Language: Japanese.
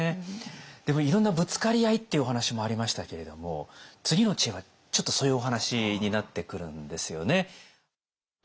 でもいろんなぶつかり合いっていうお話もありましたけれども次の知恵はちょっとそういうお話になってくるんですよね。